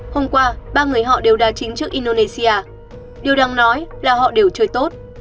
hôm qua ba người họ đều đà chính trước indonesia điều đáng nói là họ đều chơi tốt